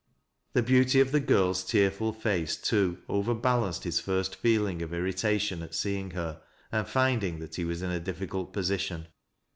The beauty of the girl's tearful face, too, overbalanced his first feeling of irritation at seeing her and finding that he was in a diificult position.